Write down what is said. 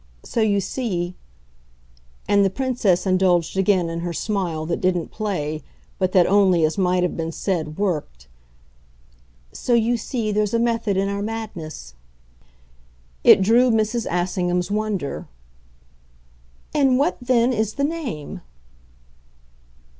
So you see" and the Princess indulged again in her smile that didn't play, but that only, as might have been said, worked "so you see there's a method in our madness." It drew Mrs. Assingham's wonder. "And what then is the name?"